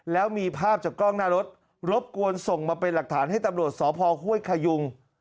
แล้วมีภาพจากกล้องหน้ารถรบกวนส่งมาเป็นหลักฐานให้ตำรวจสพห้วยขยุง